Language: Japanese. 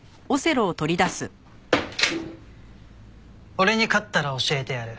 俺に勝ったら教えてやる。